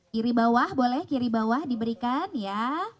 kiri bawah boleh kiri bawah diberikan ya